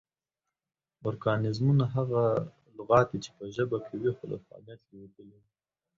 ارکانیزمونه: هغه لغات دي چې پۀ ژبه کې وي خو لۀ فعالیت لویدلي وي